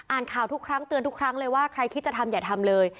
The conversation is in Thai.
ข่าวทุกครั้งเตือนทุกครั้งเลยว่าใครคิดจะทำอย่าทำเลย